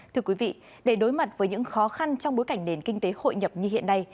thưa quý vị để đối mặt với những khó khăn trong bối cảnh nền kinh tế hội nhập như hiện nay